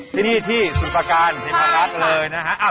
เป็นที่สุภาการเห็นรักเลยนะฮะ